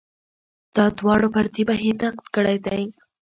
دا دواړو پر دې بهیر نقد کړی دی.